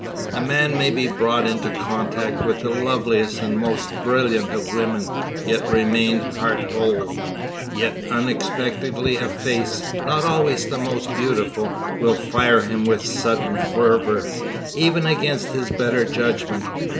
A man may be brought into contact with the loveliest and most brilliant of women, yet remain heart whole; yet unexpectedly a face not always the most beautiful will fire him with sudden fervour, even against his better judgment.